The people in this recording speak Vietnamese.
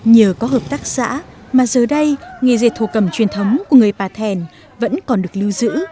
nhờ có hợp tác xã mà giờ đây nghề dệt thổ cầm truyền thống của người bà thèn vẫn còn được lưu giữ